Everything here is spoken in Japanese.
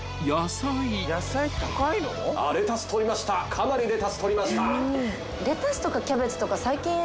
かなりレタス取りました。